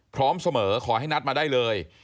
พร้อมเสมอขอให้นัดมาได้เลย